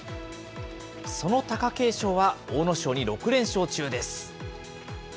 その貴景勝は阿武咲に６連勝中です。